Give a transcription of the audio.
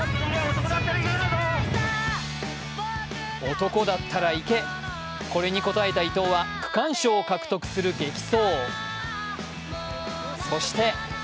男だったら行け、これに応えた伊藤は区間賞を獲得する激走。